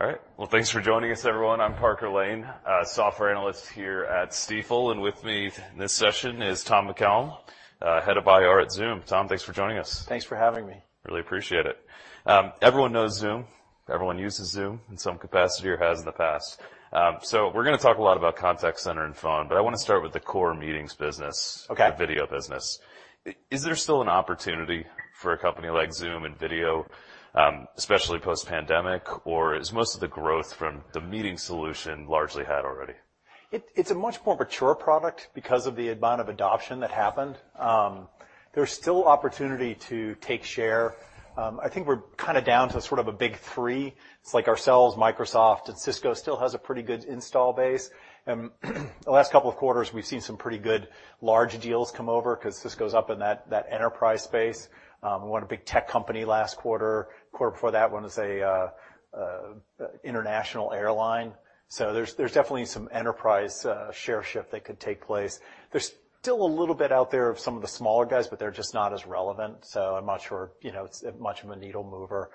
All right. Well, thanks for joining us, everyone. I'm Parker Lane, Software Analyst here at Stifel, and with me this session is Tom McCallum, Head of IR at Zoom. Tom, thanks for joining us. Thanks for having me. Really appreciate it. Everyone knows Zoom. Everyone uses Zoom in some capacity or has in the past. So we're gonna talk a lot about contact center and phone, but I wanna start with the core meetings business- Okay. the video business. Is there still an opportunity for a company like Zoom and video, especially post-pandemic, or is most of the growth from the meeting solution largely had already? It's a much more mature product because of the amount of adoption that happened. There's still opportunity to take share. I think we're kind of down to sort of a big three. It's like ourselves, Microsoft, and Cisco still has a pretty good install base. The last couple of quarters, we've seen some pretty good large deals come over, 'cause Cisco's up in that enterprise space. We won a big tech company last quarter. Quarter before that, one was a international airline. So there's definitely some enterprise share shift that could take place. There's still a little bit out there of some of the smaller guys, but they're just not as relevant, so I'm not sure, you know, it's much of a needle mover.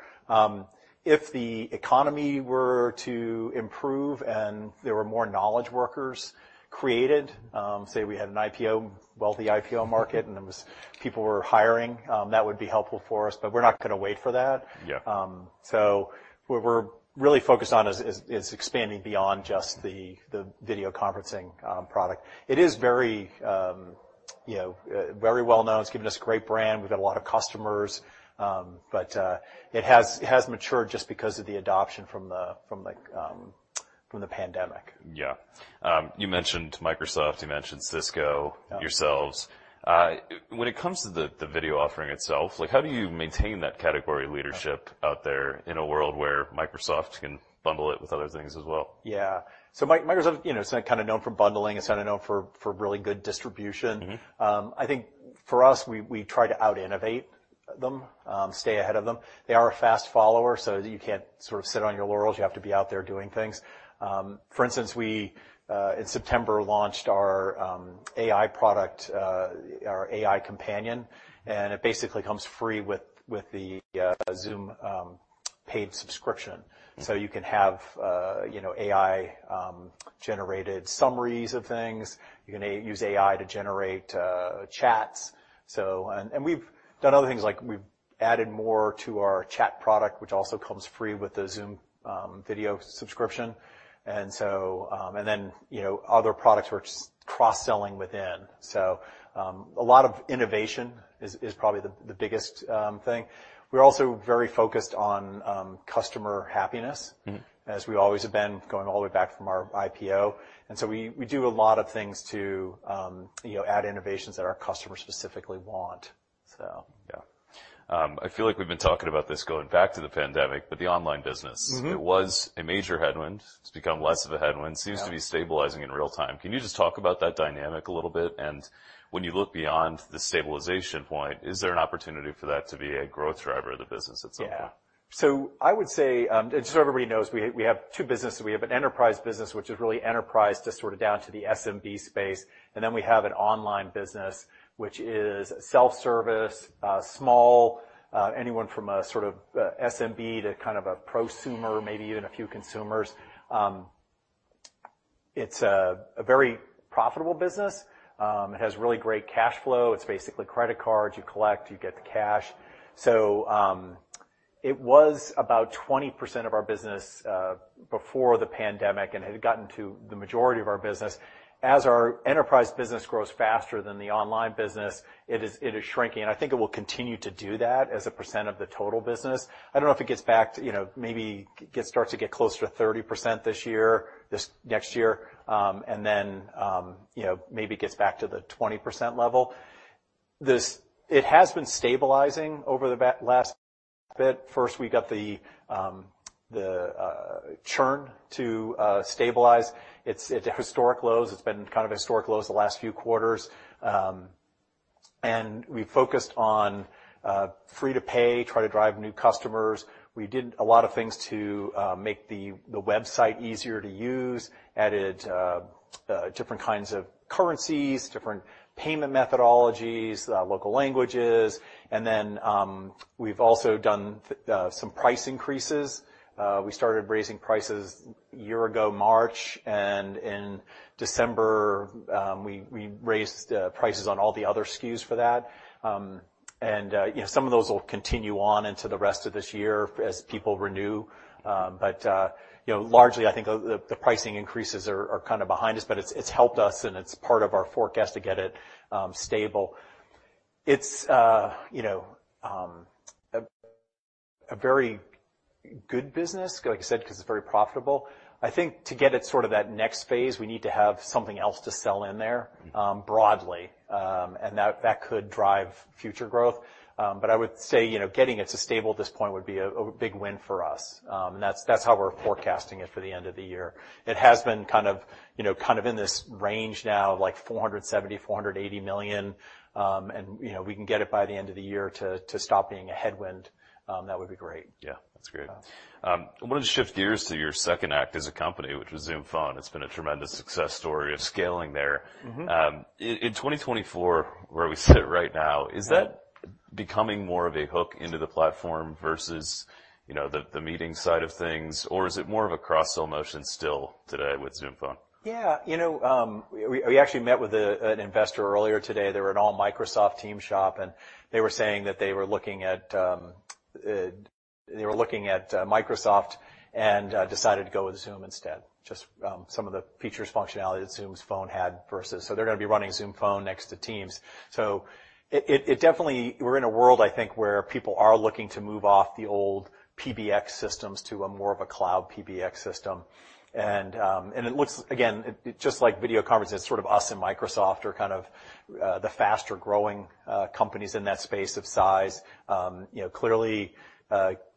If the economy were to improve and there were more knowledge workers created, say, we had an IPO, wealthy IPO market, and people were hiring, that would be helpful for us, but we're not gonna wait for that. Yeah. So what we're really focused on is expanding beyond just the video conferencing product. It is very, you know, very well known. It's given us great brand. We've got a lot of customers, but it has matured just because of the adoption from the pandemic. Yeah. You mentioned Microsoft. You mentioned Cisco- Yeah... yourselves. When it comes to the video offering itself, like, how do you maintain that category leadership out there in a world where Microsoft can bundle it with other things as well? Yeah. Microsoft, you know, is kind of known for bundling. It's kind of known for really good distribution. Mm-hmm. I think for us, we try to out-innovate them, stay ahead of them. They are a fast follower, so you can't sort of sit on your laurels. You have to be out there doing things. For instance, we in September launched our AI product, our AI Companion, and it basically comes free with the Zoom paid subscription. Mm-hmm. So you can have, you know, AI generated summaries of things. You can use AI to generate chats, so... And we've done other things, like we've added more to our chat product, which also comes free with the Zoom video subscription. And so, and then, you know, other products we're cross-selling within. So a lot of innovation is probably the biggest thing. We're also very focused on customer happiness- Mm-hmm... as we always have been, going all the way back from our IPO. And so we, we do a lot of things to, you know, add innovations that our customers specifically want, so. Yeah. I feel like we've been talking about this going back to the pandemic, but the online business- Mm-hmm... it was a major headwind. It's become less of a headwind. Yeah. Seems to be stabilizing in real time. Can you just talk about that dynamic a little bit? When you look beyond the stabilization point, is there an opportunity for that to be a growth driver of the business at some point? Yeah. So I would say, just so everybody knows, we have two businesses. We have an enterprise business, which is really enterprise, just sort of down to the SMB space, and then we have an online business, which is self-service, small, anyone from a sort of SMB to kind of a prosumer, maybe even a few consumers. It's a very profitable business. It has really great cash flow. It's basically credit cards. You collect, you get the cash. So, it was about 20% of our business before the pandemic and had gotten to the majority of our business. As our enterprise business grows faster than the online business, it is shrinking, and I think it will continue to do that as a percent of the total business. I don't know if it gets back to, you know, maybe starts to get closer to 30% this year, next year, and then, you know, maybe gets back to the 20% level. It has been stabilizing over the last bit. First, we got the churn to stabilize. It's at historic lows. It's been kind of historic lows the last few quarters. And we focused on free to pay, try to drive new customers. We did a lot of things to make the website easier to use, added different kinds of currencies, different payment methodologies, local languages, and then we've also done some price increases. We started raising prices a year ago, March, and in December, we raised prices on all the other SKUs for that. You know, some of those will continue on into the rest of this year as people renew. But, you know, largely, I think the pricing increases are kind of behind us, but it's helped us, and it's part of our forecast to get it stable. It's, you know, a very good business, like I said, because it's very profitable. I think to get it sort of that next phase, we need to have something else to sell in there- Mm-hmm... broadly, and that could drive future growth. But I would say, you know, getting it to stable at this point would be a big win for us. And that's how we're forecasting it for the end of the year. It has been kind of, you know, kind of in this range now, like $470 million-$480 million, and, you know, we can get it by the end of the year to stop being a headwind, that would be great. Yeah. That's great. Yeah. I want to shift gears to your second act as a company, which was Zoom Phone. It's been a tremendous success story of scaling there. Mm-hmm. In 2024, where we sit right now, is that becoming more of a hook into the platform versus, you know, the, the meeting side of things, or is it more of a cross-sell motion still today with Zoom Phone? Yeah. You know, we actually met with an investor earlier today. They were an all-Microsoft Teams shop, and they were saying that they were looking at Microsoft and decided to go with Zoom instead. Just some of the features, functionality that Zoom Phone had versus- So they're gonna be running Zoom Phone next to Teams. So it definitely, we're in a world, I think, where people are looking to move off the old PBX systems to more of a cloud PBX system. And it looks, again, just like video conference, it's sort of us and Microsoft are kind of the faster-growing companies in that space of size. You know, clearly,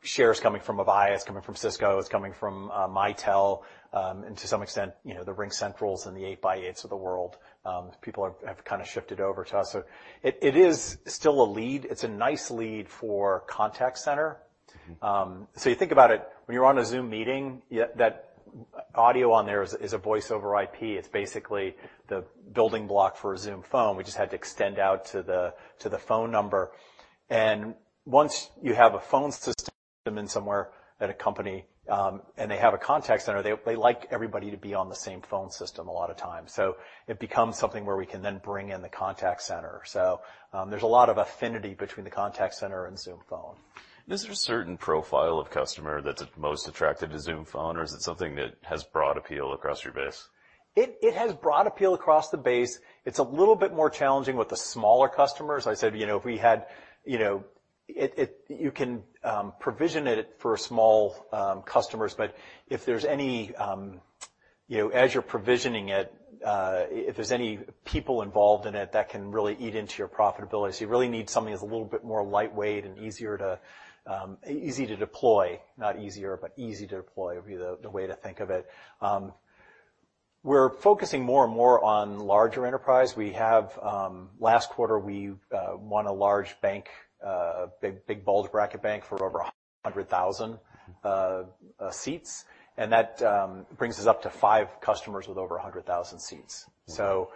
shares coming from Avaya, it's coming from Cisco, it's coming from Mitel, and to some extent, you know, the RingCentrals and the 8x8s of the world, people have kind of shifted over to us. So it is still a lead. It's a nice lead for contact center. Mm-hmm. So you think about it, when you're on a Zoom meeting, yeah, that audio on there is, is a voice over IP. It's basically the building block for a Zoom Phone. We just had to extend out to the phone number. And once you have a phone system in somewhere at a company, and they have a contact center, they like everybody to be on the same phone system a lot of times. So it becomes something where we can then bring in the contact center. So, there's a lot of affinity between the contact center and Zoom Phone. Is there a certain profile of customer that's most attracted to Zoom Phone, or is it something that has broad appeal across your base? It has broad appeal across the base. It's a little bit more challenging with the smaller customers. I said, you know, if we had. You know, it you can provision it for small customers, but if there's any, you know, as you're provisioning it, if there's any people involved in it, that can really eat into your profitability. So you really need something that's a little bit more lightweight and easier to easy to deploy, not easier, but easy to deploy, would be the way to think of it. We're focusing more and more on larger enterprise. We have. Last quarter, we won a large bank, big bulge bracket bank for over 100,000 seats, and that brings us up to five customers with over 100,000 seats. Mm. So,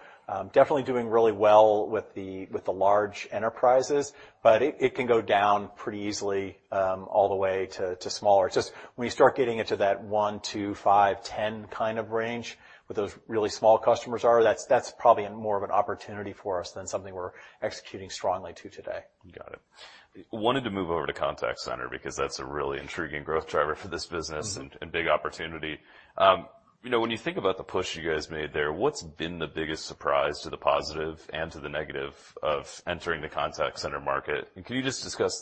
definitely doing really well with the large enterprises, but it can go down pretty easily, all the way to smaller. Just when you start getting into that 1, 2, 5, 10 kind of range, where those really small customers are, that's probably more of an opportunity for us than something we're executing strongly to today. Got it. Wanted to move over to contact center, because that's a really intriguing growth driver for this business- Mm-hmm. Big opportunity. You know, when you think about the push you guys made there, what's been the biggest surprise to the positive and to the negative of entering the contact center market? And can you just discuss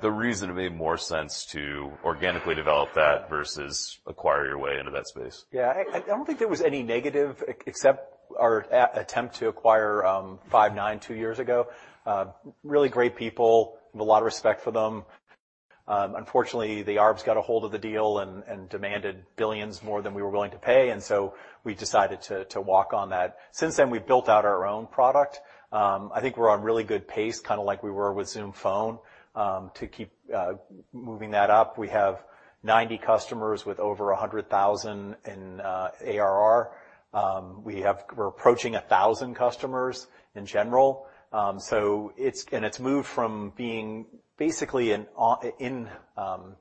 the reason it made more sense to organically develop that versus acquire your way into that space? Yeah. I don't think there was any negative, except our attempt to acquire Five9 two years ago. Really great people, have a lot of respect for them. Unfortunately, the arbs got a hold of the deal and demanded billions more than we were willing to pay, and so we decided to walk on that. Since then, we've built out our own product. I think we're on really good pace, kind of like we were with Zoom Phone, to keep moving that up. We have 90 customers with over $100,000 in ARR. We're approaching 1,000 customers in general. And it's moved from being basically an on-prem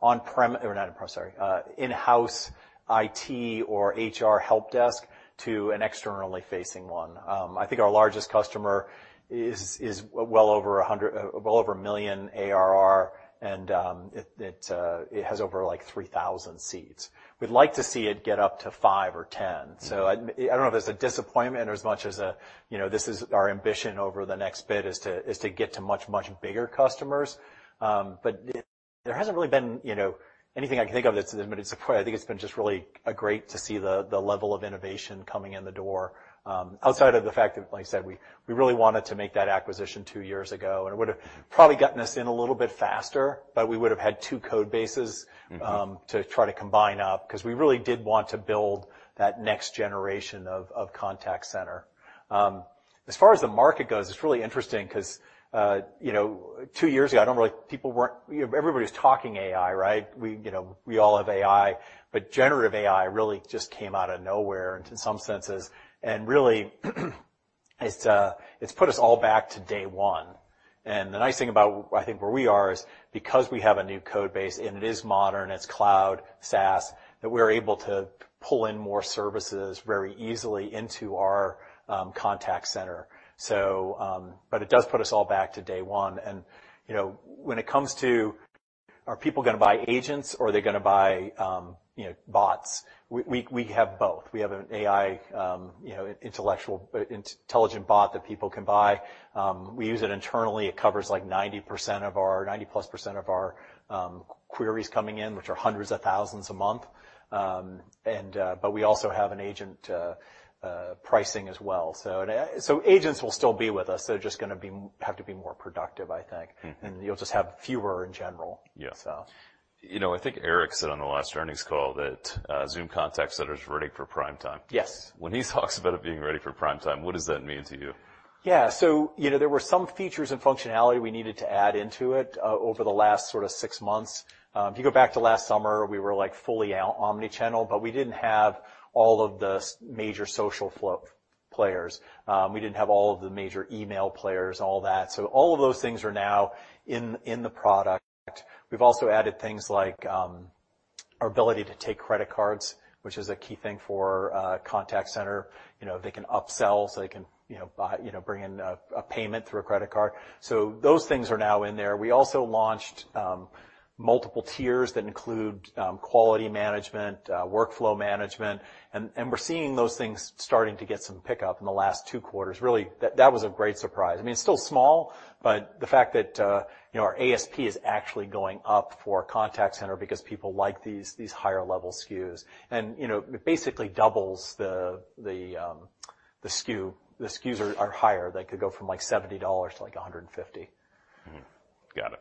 or not on-prem, sorry, in-house IT or HR helpdesk to an externally facing one. I think our largest customer is well over $1 million ARR, and it has over, like, 3,000 seats. We'd like to see it get up to five or 10. Mm. So I don't know if it's a disappointment or as much as a, you know, this is our ambition over the next bit, is to, is to get to much, much bigger customers. But there hasn't really been, you know, anything I can think of that's been a surprise. I think it's been just really a great to see the level of innovation coming in the door. Outside of the fact that, like I said, we really wanted to make that acquisition 2 years ago, and it would've probably gotten us in a little bit faster, but we would've had 2 code bases- Mm-hmm... to try to combine up, 'cause we really did want to build that next generation of, of contact center. As far as the market goes, it's really interesting 'cause, you know, two years ago, everybody's talking AI, right? We, you know, we all have AI, but generative AI really just came out of nowhere in some senses, and really, it's, it's put us all back to day one. And the nice thing about, I think, where we are, is because we have a new code base and it is modern, it's cloud, SaaS, that we're able to pull in more services very easily into our, contact center. So, but it does put us all back to day one. You know, when it comes to, are people gonna buy agents or are they gonna buy, you know, bots? We have both. We have an AI, you know, intelligent bot that people can buy. We use it internally. It covers, like, 90-plus% of our queries coming in, which are hundreds of thousands a month. But we also have an agent pricing as well. So agents will still be with us. They're just gonna have to be more productive, I think. Mm-hmm. You'll just have fewer in general. Yeah. So. You know, I think Eric said on the last earnings call that Zoom Contact Center is ready for prime time. Yes. When he talks about it being ready for prime time, what does that mean to you? Yeah. So, you know, there were some features and functionality we needed to add into it over the last sort of six months. If you go back to last summer, we were, like, fully out omni-channel, but we didn't have all of the major social flow players. We didn't have all of the major email players, all that. So all of those things are now in, in the product. We've also added things like our ability to take credit cards, which is a key thing for contact center. You know, they can upsell, so they can, you know, bring in a, a payment through a credit card. So those things are now in there. We also launched multiple tiers that include quality management, workflow management, and we're seeing those things starting to get some pickup in the last two quarters. Really, that was a great surprise. I mean, it's still small, but the fact that, you know, our ASP is actually going up for contact center because people like these higher-level SKUs. You know, it basically doubles the SKU. The SKUs are higher. They could go from, like, $70-$150. Mm-hmm. Got it.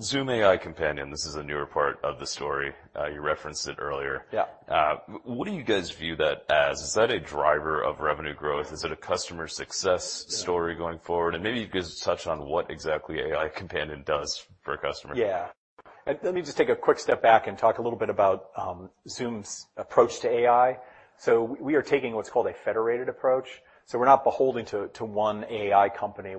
Zoom AI Companion, this is a newer part of the story. You referenced it earlier. Yeah. What do you guys view that as? Is that a driver of revenue growth? Is it a customer success- Yeah story going forward? And maybe you could just touch on what exactly AI Companion does for a customer. Yeah. Let me just take a quick step back and talk a little bit about Zoom's approach to AI. So we are taking what's called a federated approach, so we're not beholden to one AI company.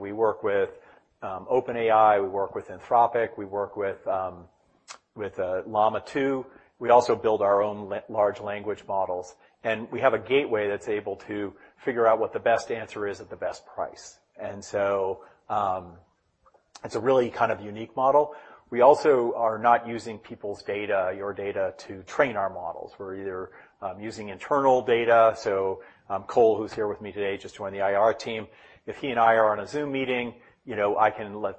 We work with OpenAI, we work with Anthropic, we work with Llama 2. We also build our own large language models, and we have a gateway that's able to figure out what the best answer is at the best price. And so, it's a really kind of unique model. We also are not using people's data, your data, to train our models. We're either using internal data, so Cole, who's here with me today, just joined the IR team. If he and I are on a Zoom meeting, you know, I can let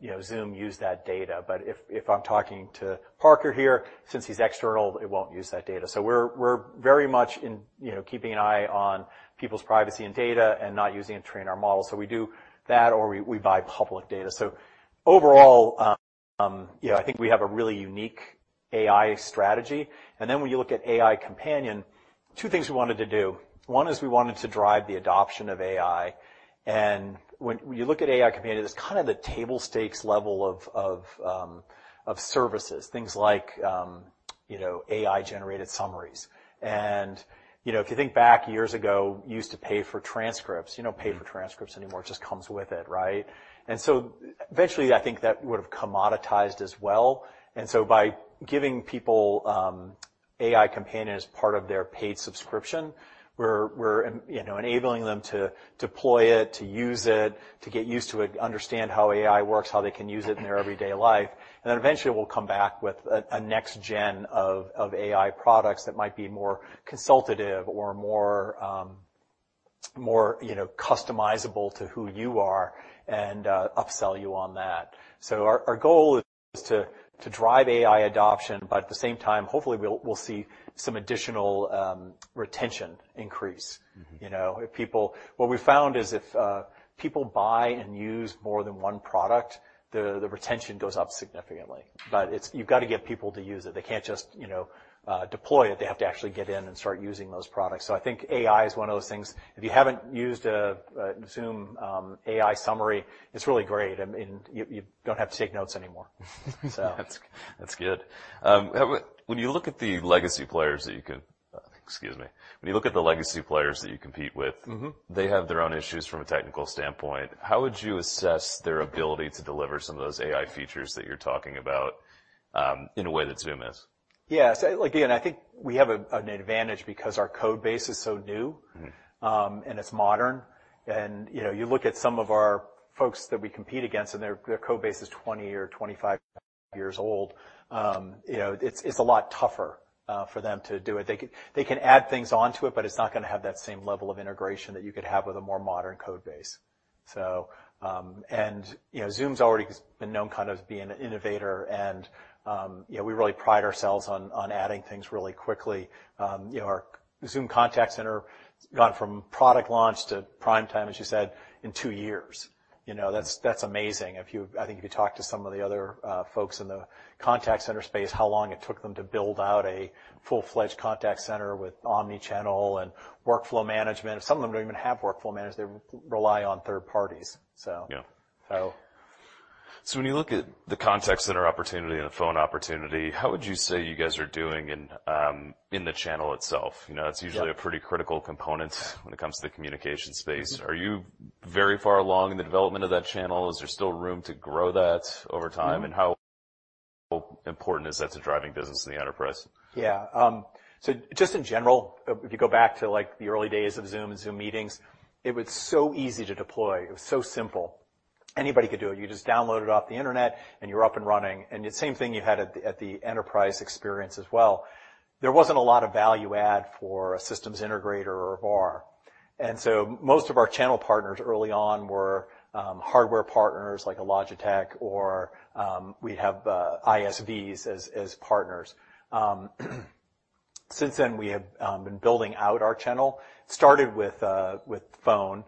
you know Zoom use that data. But if I'm talking to Parker here, since he's external, it won't use that data. So we're very much in, you know, keeping an eye on people's privacy and data and not using it to train our models. So we do that, or we buy public data. So overall, you know, I think we have a really unique AI strategy. And then, when you look at AI Companion, two things we wanted to do: one is we wanted to drive the adoption of AI. And when you look at AI Companion, it's kind of the table stakes level of services, things like, you know, AI-generated summaries. And, you know, if you think back years ago, you used to pay for transcripts. You don't pay for transcripts anymore. It just comes with it, right? And so eventually, I think that would have commoditized as well. And so by giving people AI Companion as part of their paid subscription, we're enabling them to deploy it, to use it, to get used to it, understand how AI works, how they can use it in their everyday life, and then eventually, we'll come back with a next gen of AI products that might be more consultative or more customizable to who you are, and upsell you on that. So our goal is to drive AI adoption, but at the same time, hopefully, we'll see some additional retention increase. Mm-hmm. You know, if people... What we found is, if people buy and use more than one product, the retention goes up significantly. But it's—you've got to get people to use it. They can't just, you know, deploy it. They have to actually get in and start using those products. So I think AI is one of those things. If you haven't used a Zoom AI summary, it's really great, I mean, you don't have to take notes anymore. So- That's, that's good. Excuse me. When you look at the legacy players that you compete with- Mm-hmm They have their own issues from a technical standpoint. How would you assess their ability to deliver some of those AI features that you're talking about, in a way that Zoom is? Yeah, so, again, I think we have an advantage because our code base is so new- Mm-hmm... and it's modern. You know, you look at some of our folks that we compete against, and their code base is 20 or 25 years old. You know, it's a lot tougher for them to do it. They can add things onto it, but it's not gonna have that same level of integration that you could have with a more modern code base. So, you know, Zoom's already been known kind of as being an innovator, and you know, we really pride ourselves on adding things really quickly. You know, our Zoom Contact Center has gone from product launch to prime time, as you said, in 2 years. You know, that's- Mm-hmm... that's amazing. If you—I think if you talk to some of the other folks in the contact center space, how long it took them to build out a full-fledged contact center with omni-channel and workflow management. Some of them don't even have workflow management. They rely on third parties, so- Yeah... so. So when you look at the contact center opportunity and the phone opportunity, how would you say you guys are doing in, in the channel itself? You know, it's usually- Yeah... a pretty critical component when it comes to the communication space. Mm-hmm. Are you very far along in the development of that channel? Is there still room to grow that over time? Mm-hmm. How important is that to driving business in the enterprise? Yeah, so just in general, if you go back to, like, the early days of Zoom and Zoom Meetings, it was so easy to deploy. It was so simple. Anybody could do it. You just download it off the internet, and you're up and running, and the same thing you had at the enterprise experience as well. There wasn't a lot of value add for a systems integrator or a VAR. And so most of our channel partners early on were hardware partners, like a Logitech, or we'd have ISVs as partners. Since then, we have been building out our channel, started with phone.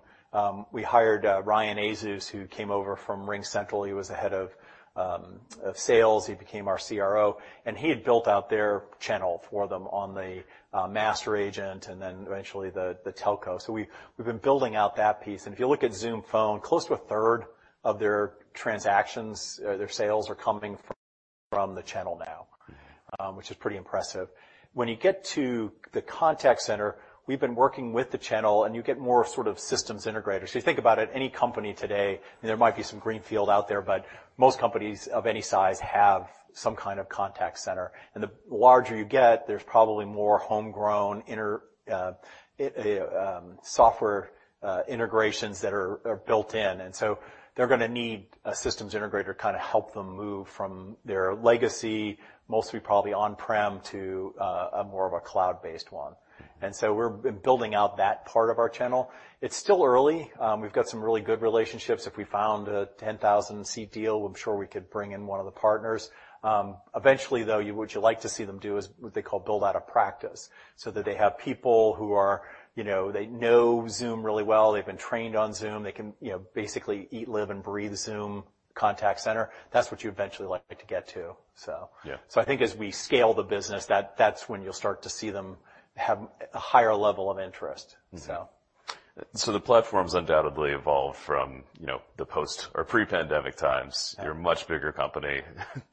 We hired Ryan Azus, who came over from RingCentral. He was the head of sales. He became our CRO, and he had built out their channel for them on the master agent, and then eventually the telco. So we've been building out that piece. And if you look at Zoom Phone, close to a third of their transactions, their sales are coming from the channel now, which is pretty impressive. When you get to the contact center, we've been working with the channel, and you get more sort of systems integrators. So you think about it, any company today, and there might be some greenfield out there, but most companies of any size have some kind of contact center. And the larger you get, there's probably more homegrown software integrations that are built in. And so they're gonna need a systems integrator to kind of help them move from their legacy, mostly probably on-prem, to a more of a cloud-based one. And so we're building out that part of our channel. It's still early. We've got some really good relationships. If we found a 10,000-seat deal, I'm sure we could bring in one of the partners. Eventually, though, you- what you like to see them do is what they call build out a practice, so that they have people who are, you know, they know Zoom really well. They've been trained on Zoom. They can, you know, basically eat, live, and breathe Zoom Contact Center. That's what you eventually like to get to, so- Yeah. I think as we scale the business, that, that's when you'll start to see them have a higher level of interest, so. Mm-hmm. So the platform's undoubtedly evolved from, you know, the post or pre-pandemic times. Yeah. You're a much bigger company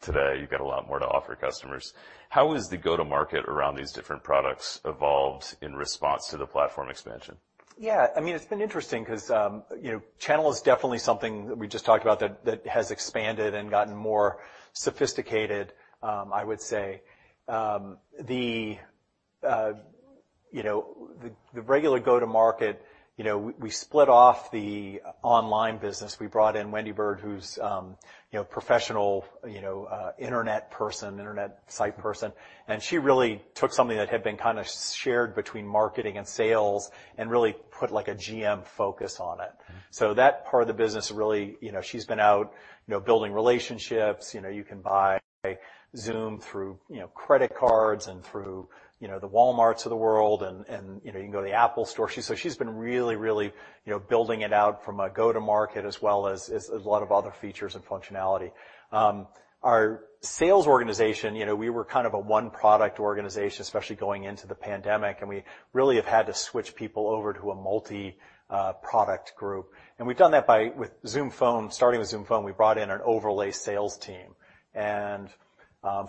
today. You've got a lot more to offer customers. How has the go-to-market around these different products evolved in response to the platform expansion? Yeah, I mean, it's been interesting 'cause, you know, channel is definitely something that we just talked about, that, that has expanded and gotten more sophisticated, I would say. The, you know, the, the regular go-to-market, you know, we, we split off the online business. We brought in Wendy Bergh, who's, you know, professional, you know, internet person, internet site person, and she really took something that had been kind of shared between marketing and sales and really put, like, a GM focus on it. Mm-hmm. So that part of the business really... You know, she's been out, you know, building relationships. You know, you can buy Zoom through, you know, credit cards and through, you know, the Walmarts of the world, and, and, you know, you can go to the Apple Store. So she's been really, really, you know, building it out from a go-to-market, as well as, as, as a lot of other features and functionality. Our sales organization, you know, we were kind of a one-product organization, especially going into the pandemic, and we really have had to switch people over to a multi-product group, and we've done that by, with Zoom Phone. Starting with Zoom Phone, we brought in an overlay sales team. And,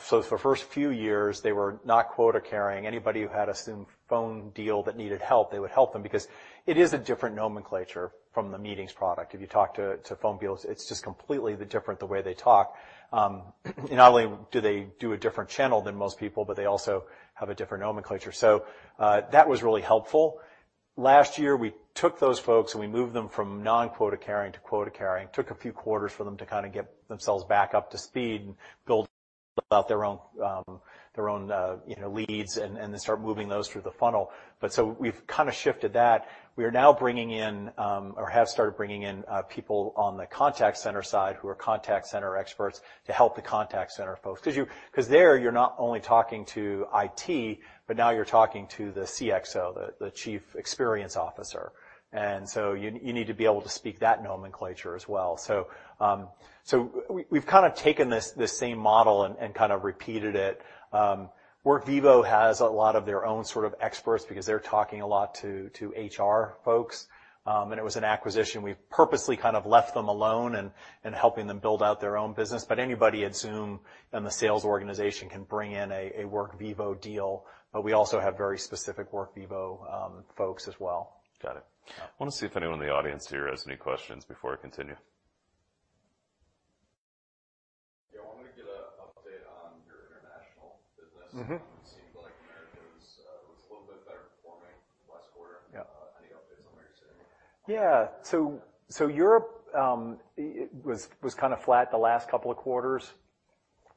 so for the first few years, they were not quota-carrying. Anybody who had a Zoom Phone deal that needed help, they would help them because it is a different nomenclature from the meetings product. If you talk to phone deals, it's just completely different, the way they talk. And not only do they do a different channel than most people, but they also have a different nomenclature. So, that was really helpful. Last year, we took those folks, and we moved them from non-quota-carrying to quota-carrying. Took a few quarters for them to kind of get themselves back up to speed and build out their own, their own, you know, leads, and then start moving those through the funnel. But so we've kind of shifted that. We are now bringing in or have started bringing in people on the contact center side who are contact center experts to help the contact center folks. Because there, you're not only talking to IT, but now you're talking to the CXO, the Chief Experience Officer, and so you need to be able to speak that nomenclature as well. So, so we've kind of taken this same model and kind of repeated it. Workvivo has a lot of their own sort of experts because they're talking a lot to HR folks. And it was an acquisition. We've purposely kind of left them alone in helping them build out their own business, but anybody at Zoom in the sales organization can bring in a Workvivo deal, but we also have very specific Workvivo folks as well. Got it. I want to see if anyone in the audience here has any questions before I continue. Yeah, I wanted to get an update on your international business. Mm-hmm. It seemed like America was a little bit better performing last quarter. Yeah. Any updates on where you're sitting? Yeah. So Europe, it was kind of flat the last couple of quarters,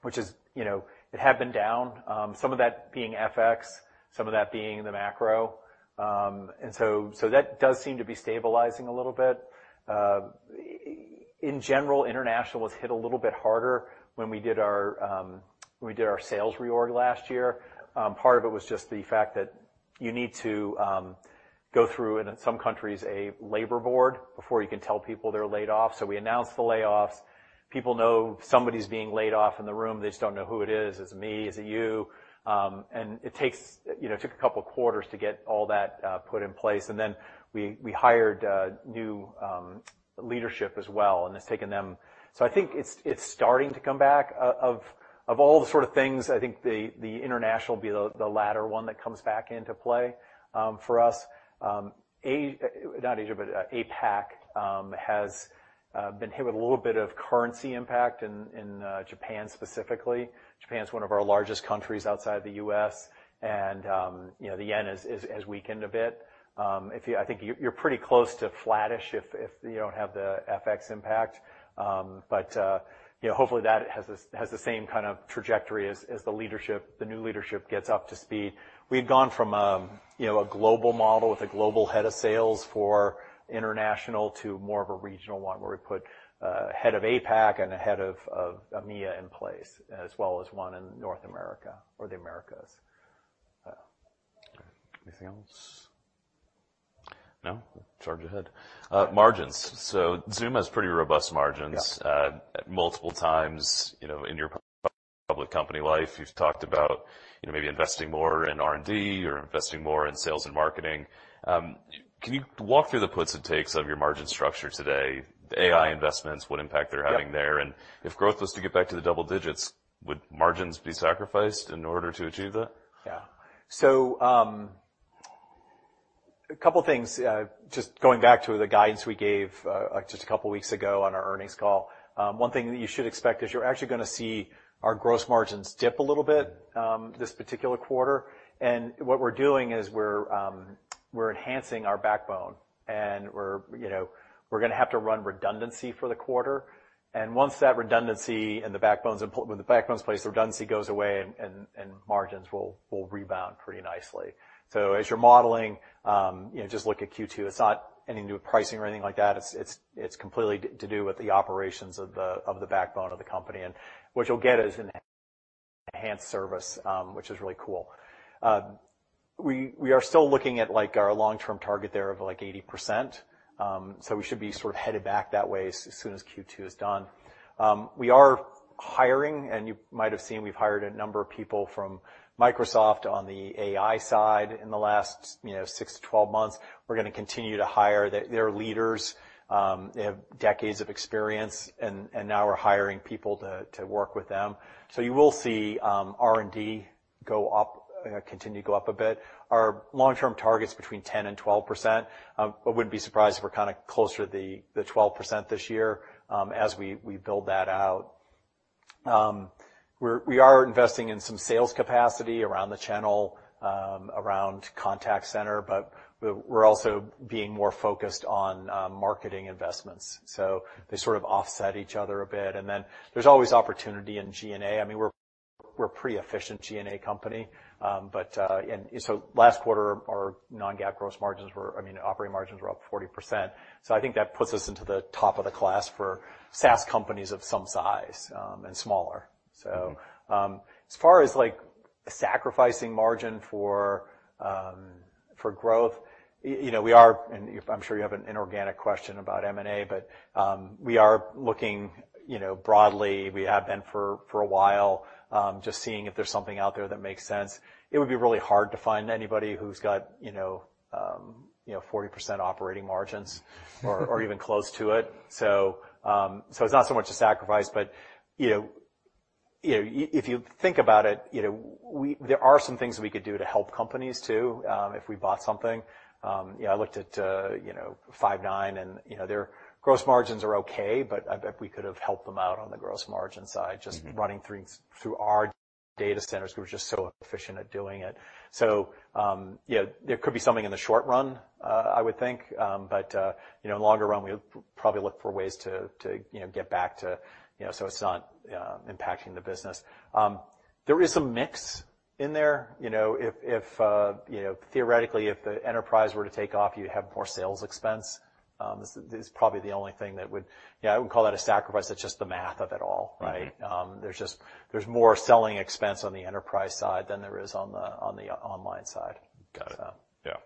which is... You know, it had been down, some of that being FX, some of that being the macro. And so that does seem to be stabilizing a little bit. In general, international was hit a little bit harder when we did our sales reorg last year. Part of it was just the fact that you need to go through, in some countries, a labor board before you can tell people they're laid off. So we announced the layoffs. People know somebody's being laid off in the room. They just don't know who it is. "Is it me? Is it you?" And it takes... You know, took a couple of quarters to get all that put in place, and then we hired new leadership as well, and it's taken them... So I think it's starting to come back. Of all the sort of things, I think the international will be the latter one that comes back into play for us. Not Asia, but APAC has been hit with a little bit of currency impact in Japan, specifically. Japan's one of our largest countries outside the U.S., and you know, the yen has weakened a bit. I think you're pretty close to flattish if you don't have the FX impact. But, you know, hopefully, that has the same kind of trajectory as the leadership, the new leadership gets up to speed. We've gone from, you know, a global model with a global head of sales for international to more of a regional one, where we put a head of APAC and a head of EMEA in place, as well as one in North America or the Americas. Anything else? No, charge ahead. Margins. So Zoom has pretty robust margins- Yeah Multiple times, you know, in your public company life, you've talked about, you know, maybe investing more in R&D or investing more in sales and marketing. Can you walk through the puts and takes of your margin structure today, the AI investments, what impact they're having there? Yeah. If growth was to get back to the double-digits, would margins be sacrificed in order to achieve that? Yeah. So, a couple things, just going back to the guidance we gave, just a couple of weeks ago on our earnings call. One thing that you should expect is you're actually gonna see our gross margins dip a little bit, this particular quarter. And what we're doing is we're enhancing our backbone, and we're, you know, we're gonna have to run redundancy for the quarter. And once that redundancy and the backbone's in, when the backbone's in place, the redundancy goes away, and margins will rebound pretty nicely. So as you're modeling, you know, just look at Q2. It's not any new pricing or anything like that. It's completely to do with the operations of the backbone of the company. And what you'll get is an enhanced service, which is really cool. We are still looking at, like, our long-term target there of, like, 80%. So we should be sort of headed back that way as soon as Q2 is done. We are hiring, and you might have seen, we've hired a number of people from Microsoft on the AI side in the last, you know, 6-12 months. We're gonna continue to hire. They're leaders. They have decades of experience, and now we're hiring people to work with them. So you will see R&D go up, continue to go up a bit. Our long-term target's between 10%-12%. I wouldn't be surprised if we're kind of closer to the 12% this year, as we build that out. We're investing in some sales capacity around the channel, around contact center, but we're also being more focused on marketing investments. So they sort of offset each other a bit. And then there's always opportunity in G&A. I mean, we're a pretty efficient G&A company. But and so last quarter, our Non-GAAP gross margins were, I mean, operating margins were up 40%. So I think that puts us into the top of the class for SaaS companies of some size and smaller. So, as far as, like, sacrificing margin for growth, you know, we are. And I'm sure you have an inorganic question about M&A, but we are looking, you know, broadly. We have been for a while, just seeing if there's something out there that makes sense. It would be really hard to find anybody who's got, you know, 40% operating margins or even close to it. So, it's not so much a sacrifice, but, you know, if you think about it, you know, there are some things that we could do to help companies, too, if we bought something. You know, I looked at, you know, Five9, and, you know, their gross margins are okay, but I bet we could have helped them out on the gross margin side, just running through our data centers. We're just so efficient at doing it. So, yeah, there could be something in the short run, I would think, but, you know, in the longer run, we'll probably look for ways to, to, you know, get back to, you know, so it's not impacting the business. There is some mix in there, you know, if, if, you know, theoretically, if the enterprise were to take off, you'd have more sales expense. This is probably the only thing that would... Yeah, I wouldn't call that a sacrifice. That's just the math of it all, right? Mm-hmm. There's more selling expense on the enterprise side than there is on the online side. Got it. Yeah.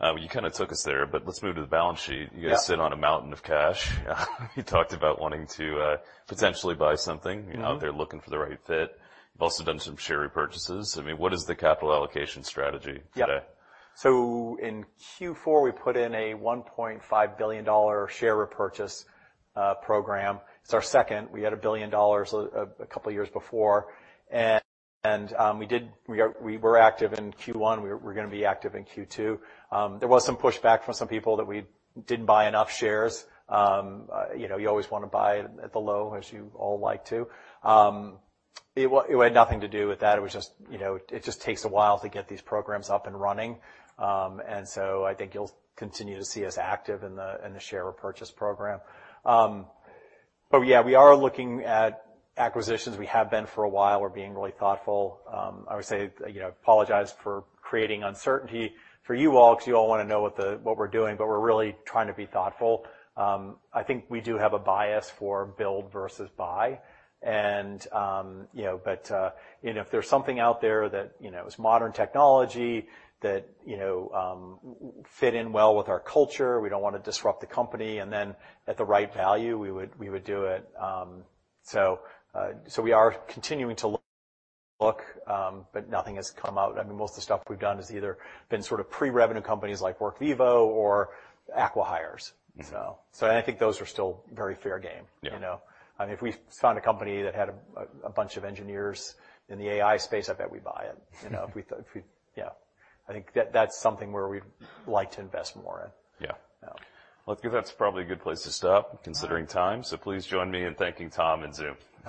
Well, you kind of took us there, but let's move to the balance sheet. Yeah. You guys sit on a mountain of cash. You talked about wanting to potentially buy something. Mm-hmm. You're out there looking for the right fit. You've also done some share repurchases. I mean, what is the capital allocation strategy today? Yeah. So in Q4, we put in a $1.5 billion share repurchase program. It's our second. We had a $1 billion a couple of years before, and we were active in Q1. We're gonna be active in Q2. There was some pushback from some people that we didn't buy enough shares. You know, you always want to buy at the low, as you all like to. It had nothing to do with that. It was just, you know, it just takes a while to get these programs up and running. And so I think you'll continue to see us active in the share repurchase program. But yeah, we are looking at acquisitions. We have been for a while. We're being really thoughtful. I would say, you know, apologize for creating uncertainty for you all, because you all want to know what the- what we're doing, but we're really trying to be thoughtful. I think we do have a bias for build versus buy. And, you know, but, you know, if there's something out there that, you know, is modern technology that, you know, fit in well with our culture, we don't want to disrupt the company, and then at the right value, we would, we would do it. So, so we are continuing to look, but nothing has come out. I mean, most of the stuff we've done is either been sort of pre-revenue companies like Workvivo or acqui-hires. Mm-hmm. I think those are still very fair game. Yeah. You know, I mean, if we found a company that had a bunch of engineers in the AI space, I bet we'd buy it. You know, if we... Yeah. I think that's something where we'd like to invest more in. Yeah. Yeah. Well, I think that's probably a good place to stop, considering time. So please join me in thanking Tom and Zoom.